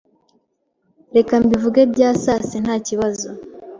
reka mbivuge bysasase ntakibazo